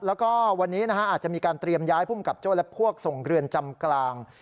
แล้วก็วันนี้อาจจะมีการเตรียมย้ายภูมิกับโจ้และพวกส่งเรือนจำกลาง